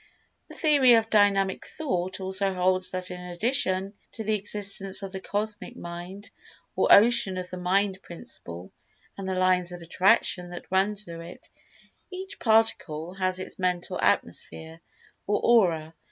The Theory of Dynamic Thought also holds that in addition to the existence of the Cosmic Mind, or Ocean of Mind principle—and the Lines of Attraction that run through it, each particle has its Mental Atmosphere, or Aura.